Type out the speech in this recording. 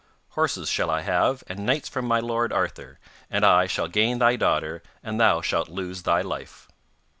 'Horses shall I have, and knights from my lord Arthur. And I shall gain thy daughter, and thou shalt lose thy life.